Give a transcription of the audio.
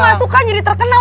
gue gak suka jadi terkenal